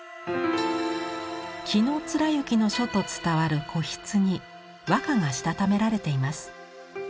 紀貫之の書と伝わる古筆に和歌がしたためられています。